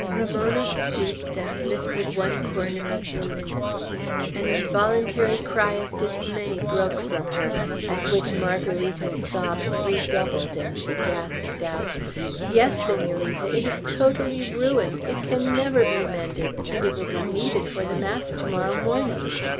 Ramona stooped, and lifted one corner of the linen. An involuntary cry of dismay broke from her, at which Margarita's sobs redoubled, and she gasped out, "Yes, Senorita, it is totally ruined! It can never be mended, and it will be needed for the mass to morrow morning.